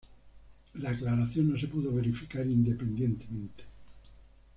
La aclaración no se pudo verificar independientemente.